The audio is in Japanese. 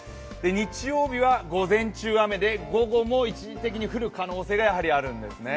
日曜日は午前中、雨で午後も一時的に降る可能性がやはりあるんですね。